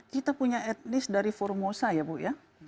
kita punya etnis dari formosa ya bu ya